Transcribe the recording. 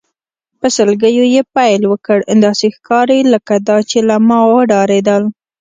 په سلګیو یې پیل وکړ، داسې ښکاري لکه دا چې له ما وډارېدل.